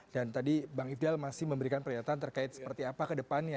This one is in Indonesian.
dan tadi bang hirdal masih memberikan pernyataan terkait seperti apa ke depannya